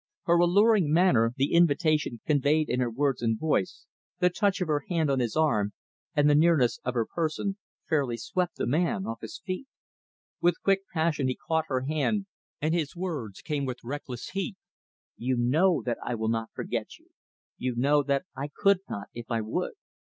Her alluring manner, the invitation conveyed in her words and voice, the touch of her hand on his arm, and the nearness of her person, fairly swept the man off his feet. With quick passion, he caught her hand, and his words came with reckless heat. "You know that I will not forget you. You know that I could not, if I would.